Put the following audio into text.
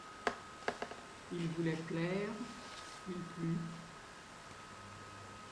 Il voulait plaire, il plut.